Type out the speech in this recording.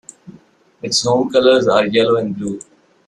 Its home colors are yellow and blue.